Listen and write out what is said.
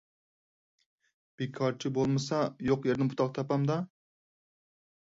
بىكارچى بولمىسا يوق يەردىن پۇتاق تاپامدا؟